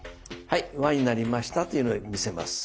「はい輪になりました」っていうので見せます。